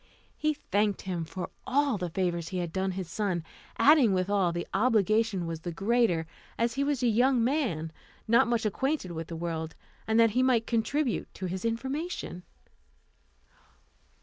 He thanked him for all the favours he had done his son; adding withal, the obligation was the greater, as he was a young man, not much acquainted with the world, and that he might contribute to his information.